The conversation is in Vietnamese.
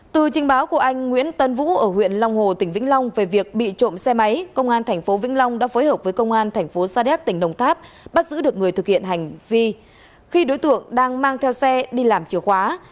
từ trình báo của anh nguyễn tân vũ ở huyện long hồ tỉnh vĩnh long về việc bị trộm xe máy công an tp vĩnh long đã phối hợp với công an thành phố sa đéc tỉnh đồng tháp bắt giữ được người thực hiện hành vi khi đối tượng đang mang theo xe đi làm chìa khóa